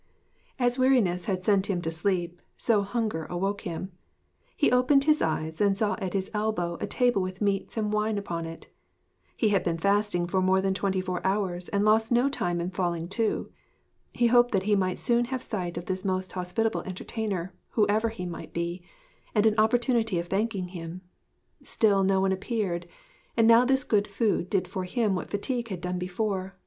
As weariness had sent him to sleep, so hunger awoke him. He opened his eyes and saw at his elbow a table with meats and wine upon it. He had been fasting for more than twenty four hours, and lost no time in falling to. He hoped that he might soon have sight of this most hospitable entertainer, whoever he might be, and an opportunity of thanking him. Still no one appeared; and now this good food did for him what fatigue had done before.